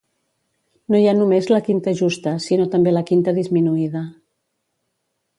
No hi ha només la quinta justa, sinó també la quinta disminuïda.